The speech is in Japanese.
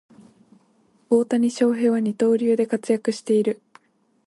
大谷翔平は二刀流で活躍している